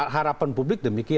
harapan publik demikian ya